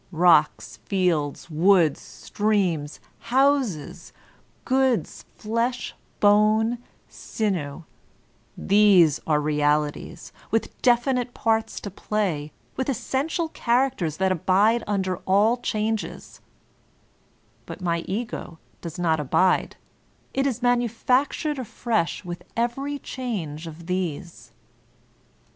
Rocks, fields, woods, streams, houses, goods, flesh, blood, bone, sinew, — ^these are realities, with definite parts to play, with essential characters that abide under all changes ; but my Ego does not abide ; it is manufactured afresh with every change of these.